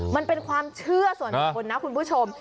มันเป็นความเชื่อส่วนบุคคลนะคุณผู้ชม